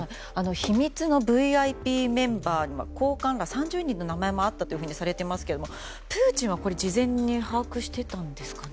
秘密のＶＩＰメンバーには高官ら３０人の名前があったとされていますがプーチンは事前に把握していたんですかね。